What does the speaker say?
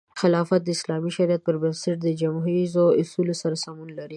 خلافت د اسلامي شریعت پر بنسټ د جموهریزو اصولو سره سمون لري.